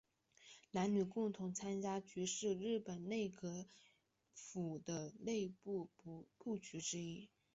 男女共同参与局是日本内阁府的内部部局之一。